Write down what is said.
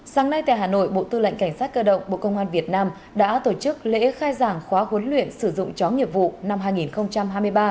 sáng nay tại hà nội bộ tư lệnh cảnh sát cơ động bộ công an việt nam đã tổ chức lễ khai giảng khóa huấn luyện sử dụng chó nghiệp vụ năm hai nghìn hai mươi ba